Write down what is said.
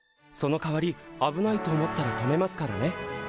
そのかわり危ないと思ったら止めますからね。